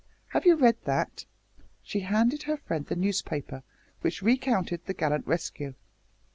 Have you read that?" She handed her friend the newspaper which recounted the "gallant rescue."